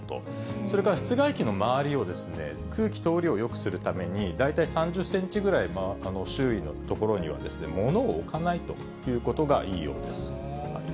それから、室外機の周りを空気通りをよくするために、大体、３０センチぐらい、周囲の所には物を置かないということがいいようです。